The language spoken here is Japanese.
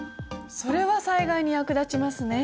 それは災害に役立ちますね。